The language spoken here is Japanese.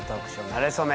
なれそめ」